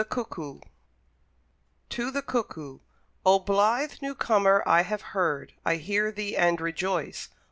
Wood TO THE CUCKOO O blithe New comer! I have heard, I hear thee and rejoice.